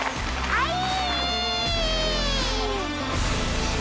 はい！